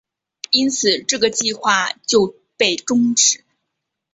因此这个计划就被终止。